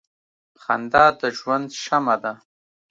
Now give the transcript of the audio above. • خندا د ژوند شمع ده.